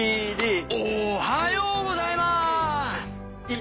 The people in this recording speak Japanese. おはようございます！